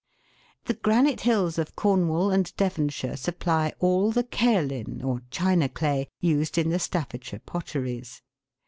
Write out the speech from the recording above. The granite hills of Cornwall and Devonshire supply all the kaolin, or china clay, used in the Staffordshire pot teries.